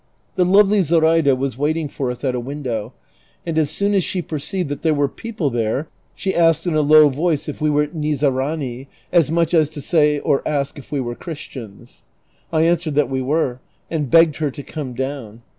The lovel}^ Zoraida was watching for us at a window, and as soon as she perceived that there were jjeople there, she asked in a low voice if we were " Nizarani," as much as to say or ask if we were Christians. I answered that we were, and beo^o ed her to come down.